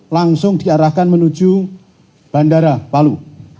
langsung diarahkan menuju bandara palu